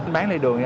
bán lấy đường